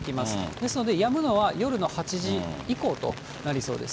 ですのでやむのは夜の８時以降となりそうです。